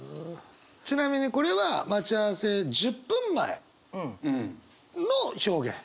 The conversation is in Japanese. ちなみにこれは待ち合わせ１０分前の表現。